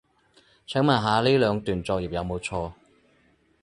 請問下呢兩段作業有冇錯